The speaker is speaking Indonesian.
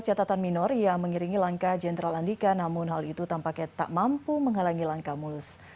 jenderal andika perkasa